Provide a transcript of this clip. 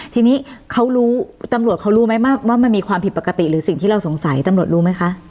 ทีนี้เขารู้ตำรวจเขารู้ไหมว่ามันมีความผิดปกติหรือสิ่งที่เราสงสัยตำรวจรู้ไหมคะ